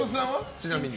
ちなみに。